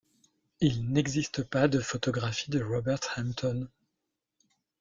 Il n'existe pas de photographie de Robert Hampton.